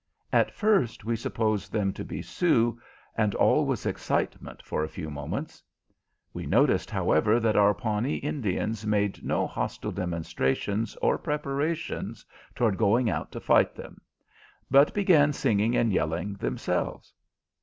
At first we supposed them to be Sioux, and all was excitement for a few moments. We noticed, however, that our Pawnee Indians made no hostile demonstrations or preparations toward going out to fight them, but began singing and yelling themselves.